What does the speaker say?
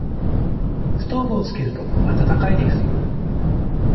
ストーブをつけると、暖かいです。